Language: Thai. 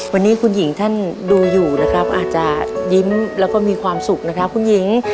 วันนี้คุณหญิงท่านดูอยู่นะครับอาจจะยิ้มแล้วก็มีความสุขนะครับคุณหญิง